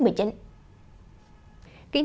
kính thưa quý vị